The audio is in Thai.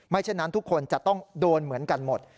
เช่นนั้นทุกคนจะต้องโดนเหมือนกันหมด